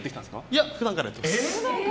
いや、普段からやってます。